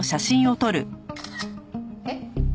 えっ？